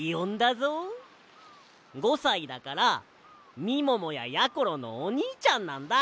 ５さいだからみももややころのおにいちゃんなんだ！